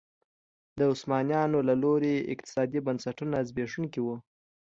د عثمانیانو له لوري اقتصادي بنسټونه زبېښونکي وو.